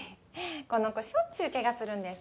この子しょっちゅう怪我するんです。